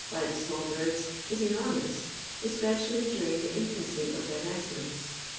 by the small birds, is enormous, especially during tiie infimcy of their nestliogs.